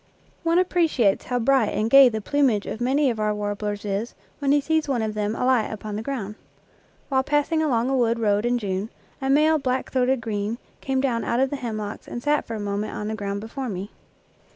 One appreciates how bright and gay the plumage of many of our warblers is when he sees one of them alight upon the ground. While passing along a wood road in June, a male black throated green came down out of the hemlocks and sat for a moment on the ground before me.